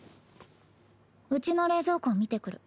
うちの冷蔵庫見てくる。